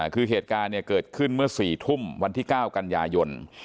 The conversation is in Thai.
คือเหตุการณ์เกิดขึ้นเมื่อ๔ทุ่มวันที่๙กันยายน